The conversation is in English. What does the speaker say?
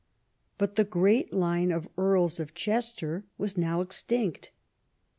But the great line of Earls of Chester was now extinct.